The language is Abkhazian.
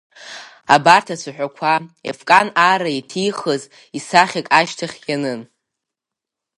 Абарҭ ацәаҳәақәа, Ефкан арра иҭихыз исахьак ашьҭахь ианын.